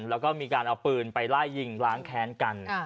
แล้วก็มีการเอาปืนไปไล่ยิงล้างแค้นกัน